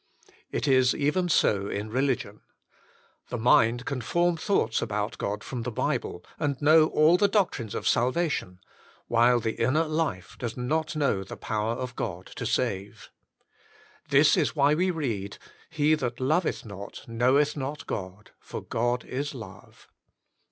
It is even so in religion. The mind can form thoughts about God from the Bible, and know all the doctrines of salvation, while the inner lift* does not know the power of God to save. This is why we read "He that loveth not, knoweth not God; for God is love."